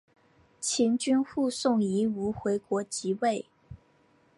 秦军护送夷吾回国即位。